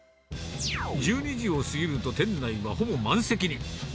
１２時を過ぎると、店内はほぼ満席に。